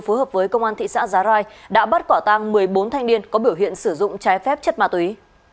phối hợp với công an thị xã giá rai đã bắt quả tang một mươi bốn thanh niên có biểu hiện sử dụng trái phép chất ma túy